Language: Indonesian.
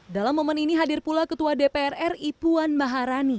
dalam momen ini hadir pula ketua dprr ipuan maharani